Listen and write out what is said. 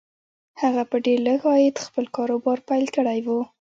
هغه په ډېر لږ عاید خپل کاروبار پیل کړی و